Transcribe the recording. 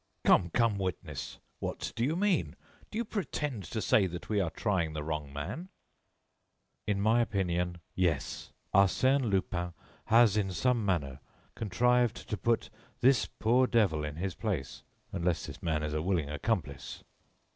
"Come, come, witness! What do you mean? Do you pretend to say that we are trying the wrong man?" "In my opinion, yes. Arsène Lupin has, in some manner, contrived to put this poor devil in his place, unless this man is a willing accomplice."